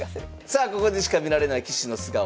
さあここでしか見られない棋士の素顔